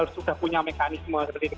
sudah punya mekanisme seperti itu